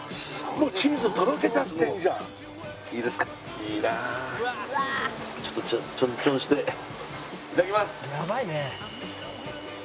いただきます。